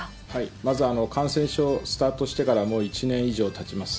まず感染症スタートしてから、もう１年以上たちます。